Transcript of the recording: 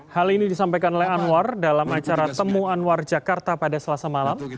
hal ini disampaikan oleh anwar dalam acara temu anwar jakarta pada selasa malam